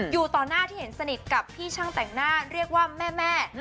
อยู่ต่อหน้าที่เห็นสนิทกับพี่ช่างแต่งหน้าเรียกว่าแม่